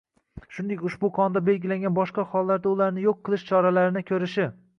shuningdek ushbu Qonunda belgilangan boshqa hollarda ularni yo‘q qilish choralarini ko‘rishi;